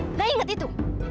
nggak inget itu